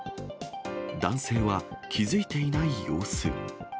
男性は気付いていない様子。